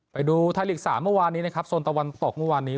ไปดูไทยลีก๓เมื่อวานนี้นะครับโซนตะวันตกเมื่อวานนี้